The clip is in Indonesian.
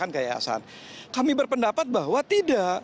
kami berpendapat bahwa tidak